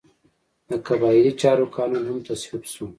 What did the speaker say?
د قبایلي چارو قانون هم تصویب شو.